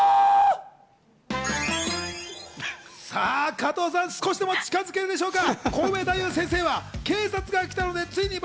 加藤さん、少しでも近づけるでしょうか？